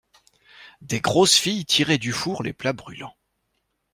Des grosses filles tiraient du four les plats brûlants.